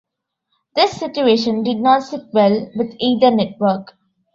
This situation did not sit well with either network.